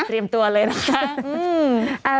เตรียมตัวเลยนะคะ